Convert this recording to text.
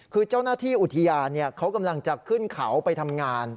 คือเจ้าหน้าที่อุทยานเขากำลังจะขึ้นเขาไปทำงาน